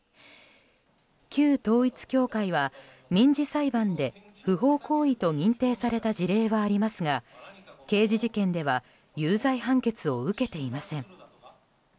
旧統一教会は、民事裁判で不法行為と認定された事例はありますが刑事事件では有罪判決を受けていません。